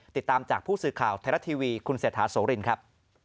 ติดตามจากผู้สื่อข่าวไทยรัฐทีวีคุณเศรษฐาโสรินครับ